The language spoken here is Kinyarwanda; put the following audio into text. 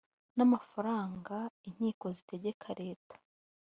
n amafaranga inkiko zitegeka leta